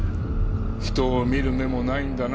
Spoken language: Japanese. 人を見る目もないんだな。